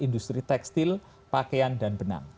industri tekstil pakaian dan benang